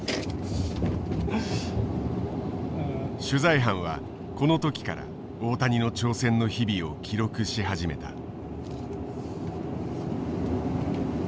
取材班はこの時から大谷の挑戦の日々を記録し始めた。